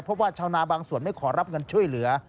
เพราะว่าชาวนาบางส่วนไม่ขอรับเงินช่วยเหลือ